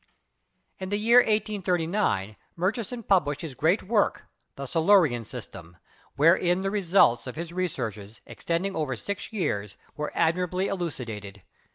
In the year 1839 Murchison published his great work, "The Silurian System," wherein the results of his re searches extending over six years were admirably eluci dated.